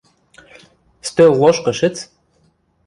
Стӧл лошкы шӹц!